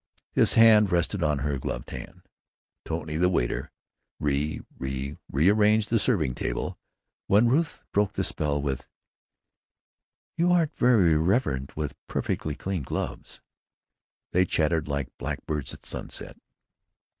His hand rested on her gloved hand.... Tony the waiter re re rearranged the serving table.... When Ruth broke the spell with, "You aren't very reverent with perfectly clean gloves," they chattered like blackbirds at sunset.